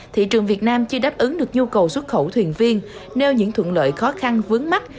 thị trường việt nam chưa đáp ứng được nhu cầu xuất khẩu thuyền viên nêu những thuận lợi khó khăn vướng mắt